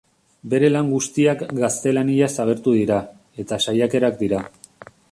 Bere lan guztiak gaztelaniaz agertu dira, eta saiakerak dira.